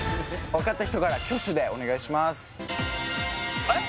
分かった人から挙手でお願いしますあれ？